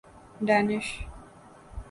Danish